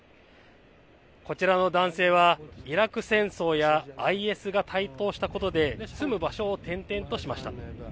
こちらの男性はイラク戦争やＩＳが台頭したことで住む場所を転々としました。